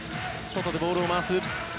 外でボールを回す。